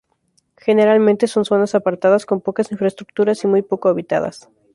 Generalmente son zonas apartadas con pocas infraestructuras y muy poco habitadas.